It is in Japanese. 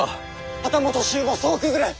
旗本衆も総崩れ！